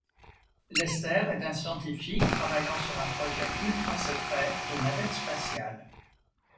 Lester est un scientifique travaillant sur un projet ultra-secret de navette spatiale.